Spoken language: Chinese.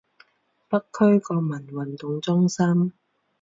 北区国民运动中心